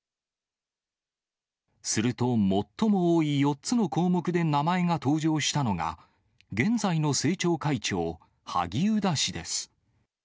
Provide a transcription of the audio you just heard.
すると最も多い４つの項目で名前が登場したのが、現在の政調会長、萩生田氏です。